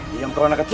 diam kau anak kecil